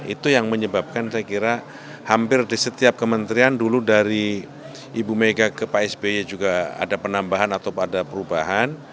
itu yang menyebabkan saya kira hampir di setiap kementerian dulu dari ibu mega ke pak sby juga ada penambahan atau ada perubahan